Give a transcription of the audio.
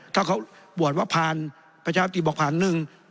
ถ้าเขาบวชว่าผ่านประชาวฤติบอกผ่าน